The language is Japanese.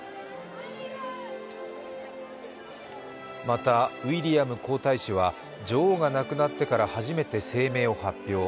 またウィリアム皇太子は女王が亡くなってから、初めて声明を発表。